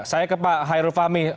saya ke pak hairul fahmi